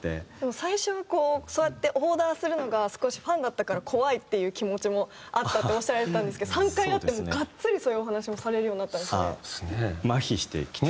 最初はこうそうやってオーダーするのが少しファンだったから怖いっていう気持ちもあったっておっしゃられてたんですけど３回やってがっつりそういうお話もされるようになったんですね。